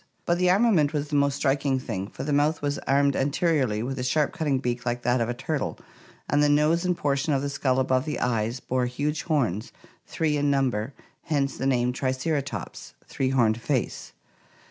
But the armament was the most striking thing, for the mouth was armed anteriorly with a sharp cutting beak like that of a turtle, and the nose and portion of the skull above the eyes bore huge horns, three in number, hence the name Triceratops (three horned face).